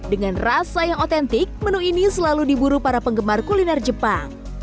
dengan rasa yang otentik menu ini selalu diburu para penggemar kuliner jepang